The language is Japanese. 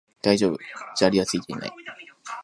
大丈夫、砂利はついていない